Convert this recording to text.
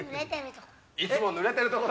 「いつもぬれてるとこ」